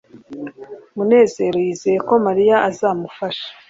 munezero yizeye ko mariya azamufasha